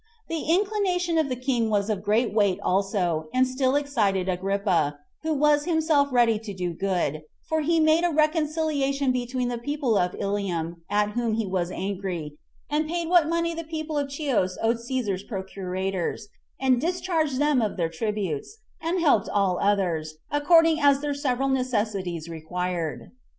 The inclination of the king was of great weight also, and still excited Agrippa, who was himself ready to do good; for he made a reconciliation between the people of Ilium, at whom he was angry, and paid what money the people of Chius owed Cæsar's procurators, and discharged them of their tributes; and helped all others, according as their several necessities required.